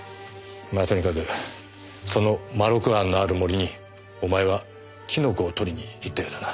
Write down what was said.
まあとにかくそのまろく庵のある森にお前はキノコを採りに行ったようだな。